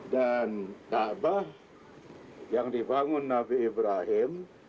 dan ka'bah yang dibangun nabi ibrahim